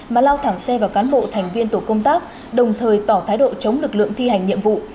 mà lao thẳng xe vào cán bộ thành viên tổ công tác đồng thời tỏ thái độ chống lực lượng thi hành nhiệm vụ